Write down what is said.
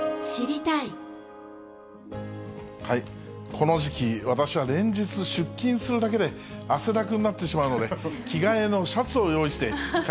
この時期、私は連日、出勤するだけで汗だくになってしまうので、着替えのシャツを用意